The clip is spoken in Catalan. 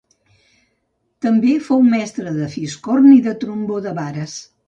També, fou mestre de fiscorn i de trombó de vares.